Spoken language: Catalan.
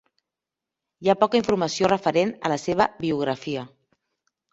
Hi ha poca informació referent a la seva biografia.